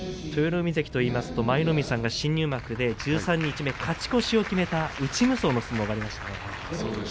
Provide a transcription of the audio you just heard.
海は舞の海さんが、新入幕で十三日目勝ち越しを決めた内無双の相撲がありました。